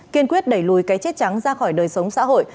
kiên quyết đẩy lùi cái chết trắng ra khỏi đời sống xã hội